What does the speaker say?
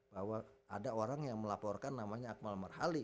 bahwa ada orang yang melaporkan namanya akmal marhali